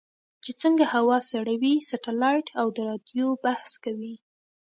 چې څنګه هوا سړوي سټلایټ او د رادیو بحث کوي.